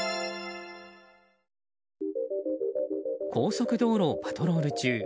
高速道路をパトロール中